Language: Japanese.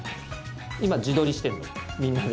今自撮りしてるのみんなで。